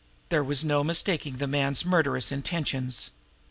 There was no mistaking the man's murderous intentions.